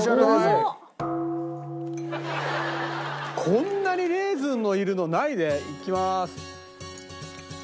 こんなにレーズンのいるのないね。いきます。